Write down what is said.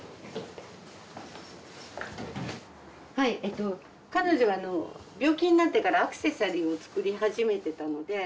はいええと彼女が病気になってからアクセサリーを作り始めてたので。